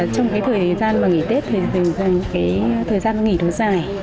trong cái thời gian mà nghỉ tết thì cái thời gian nghỉ nó dài